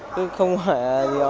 thì không phải